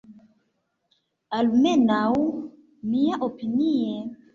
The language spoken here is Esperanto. Almenaŭ, miaopinie.